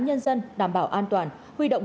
nhân dân đảm bảo an toàn huy động